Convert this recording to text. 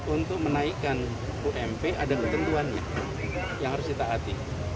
untuk menaikkan ump ada ketentuannya yang harus ditaati